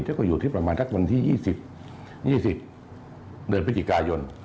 ถ้าก็อยู่ที่ประมาณสักวันที่๒๐๒๐เดือนพฤศจิกายน